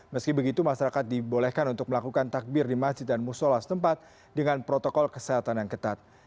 meski begitu masyarakat dibolehkan untuk melakukan takbir di masjid dan musola setempat dengan protokol kesehatan yang ketat